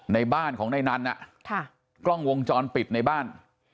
ในบ้านของในนั้นกล้องวงจรปิดในบ้าน